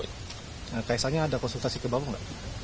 ks angpangarap ada konsultasi ke bapak